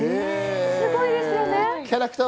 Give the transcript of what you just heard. すごいですよね。